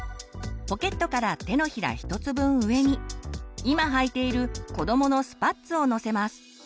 ポケットから手のひら１つ分上に今はいているこどものスパッツを載せます。